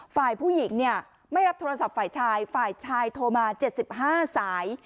ฝ่ายผู้หญิงเนี่ยไม่รับโทรศัพท์ฝ่ายชายฝ่ายชายโทรมา๗๕สาย